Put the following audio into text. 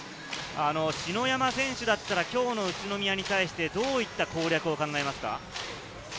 篠山選手だったら、今日の宇都宮に対してどういった攻略を考えますか？